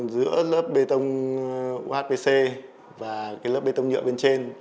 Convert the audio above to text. giữa lớp bê tông uhpc và cái lớp bê tông nhựa bên trên